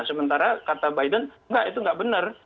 sementara kata biden nggak itu nggak benar